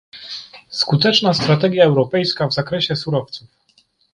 Skuteczna strategia europejska w zakresie surowców